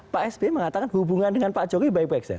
pak sby mengatakan hubungan dengan pak jokowi baik baik saja